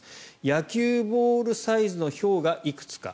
野球ボールサイズのひょうがいくつか。